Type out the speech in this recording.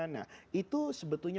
nah itu sebetulnya